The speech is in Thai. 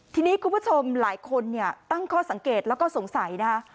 ทีนี้คุณผู้ชมหลายคนเนี่ยตั้งข้อสังเกตแล้วก็สงสัยนะคะ